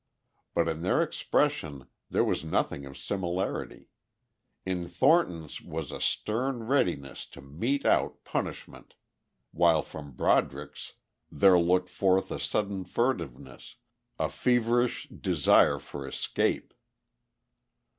But in their expressions there was nothing of similarity; in Thornton's was a stern readiness to mete out punishment while from Broderick's there looked forth a sudden furtiveness, a feverish desire for escape.